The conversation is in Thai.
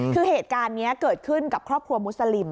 คือเหตุการณ์นี้เกิดขึ้นกับครอบครัวมุสลิม